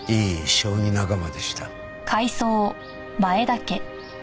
将棋仲間でした。